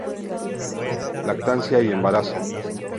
Lactancia y embarazo.